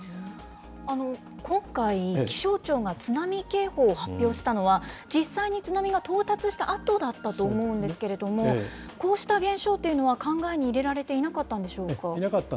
今回、気象庁が津波警報を発表したのは、実際に津波が到達したあとだったと思うんですけれども、こうした現象というのは、考えに入れられていなかったんでしょうか？